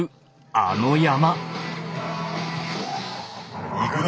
あの山。